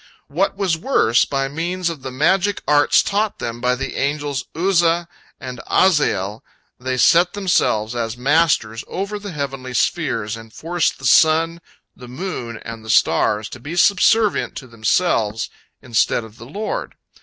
What was worse, by means of the magic arts taught them by the angels Uzza and Azzael, they set themselves as masters over the heavenly spheres, and forced the sun, the moon, and the stars to be subservient to themselves instead of the Lord.